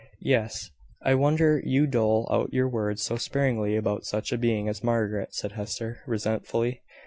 "Yes." "I wonder you dole out your words so sparingly about such a being as Margaret," said Hester, resentfully.